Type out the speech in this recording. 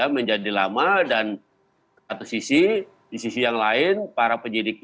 menjadi lama dan satu sisi di sisi yang lain para penyidik